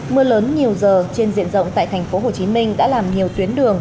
mưa lớn nhiều giờ trên diện rộng tại thành phố hồ chí minh đã làm nhiều tuyến đường